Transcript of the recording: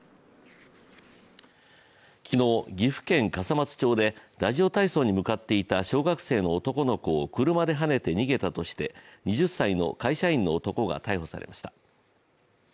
昨日、岐阜県笠松町でラジオ体操に向かっていた小学生の男の子を車ではねて逃げたとして２０歳の会社員の男が逮捕されました。